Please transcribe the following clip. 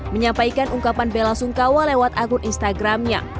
menyampaikan ungkapan bela sungkawa lewat akun instagramnya